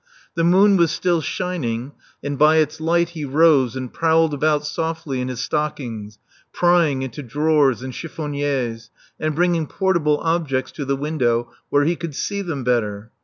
The moon was still shining; and by its light he rose and prowled about softly in his stockings, prying into drawers and chiffoniers, and bringing portable objects to the window, where he could see them better.